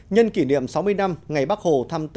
nhân kỷ niệm sáu mươi năm ngày bắc hồ